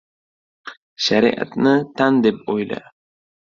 — Shariatni tan deb o‘yla